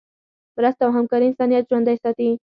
مرسته او همکاري انسانیت ژوندی ساتي.